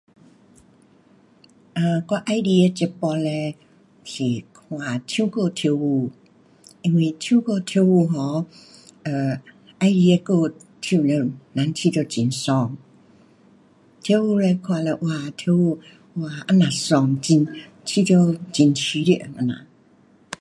呃，我喜欢的节目嘞，是什啊唱歌跳舞，因为唱歌跳舞 um 呃，喜欢的歌唱了人觉得很爽，跳舞嘞，看了哇跳舞哇这么爽，很，觉得很舒服这样。